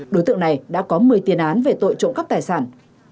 đối tượng này đã có một mươi tiền án về tội trộm cắp tài sản